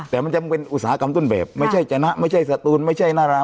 แต่มันจะเป็นอุตสาหกรรมต้นแบบไม่ใช่จนะไม่ใช่สตูนไม่ใช่นารา